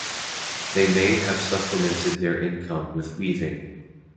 They may have supplemented their income with weaving.